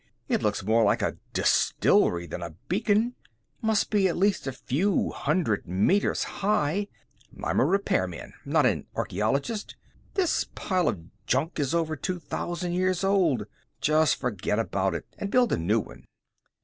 It looks more like a distillery than a beacon must be at least a few hundred meters high. I'm a repairman, not an archeologist. This pile of junk is over 2000 years old. Just forget about it and build a new one."